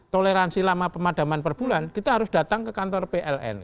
toleransi lama pemadaman per bulan kita harus datang ke kantor pln